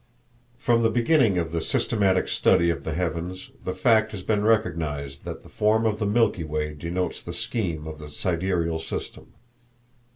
From the beginning of the systematic study of the heavens, the fact has been recognized that the form of the Milky Way denotes the scheme of the sidereal system.